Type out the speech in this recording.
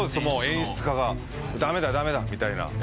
もう演出家が「ダメだダメだ」みたいな。